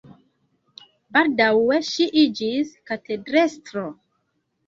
Baldaŭe ŝi iĝis katedrestro.